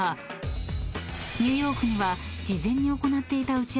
［ニューヨークには］